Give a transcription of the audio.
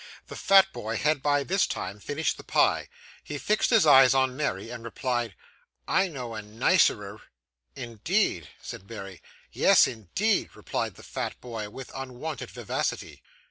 The fat boy had by this time finished the pie. He fixed his eyes on Mary, and replied 'I knows a nicerer.' 'Indeed!' said Mary. 'Yes, indeed!' replied the fat boy, with unwonted vivacity.